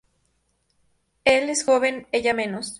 Él es joven, ella menos.